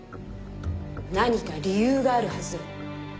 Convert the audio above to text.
何か理由があるはず。